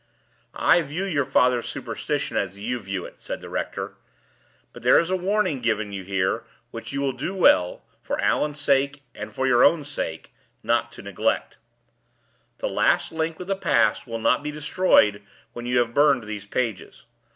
"I view your father's superstition as you view it," said the rector. "But there is a warning given you here, which you will do well (for Allan's sake and for your own sake) not to neglect. The last link with the past will not be destroyed when you have burned these pages.